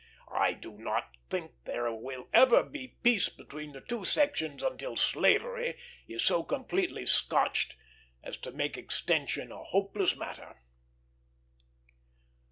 "I do not think there will ever be peace between the two sections until slavery is so completely scotched as to make extension a hopeless matter."